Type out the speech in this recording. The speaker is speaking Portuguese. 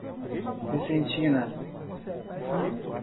Vicentina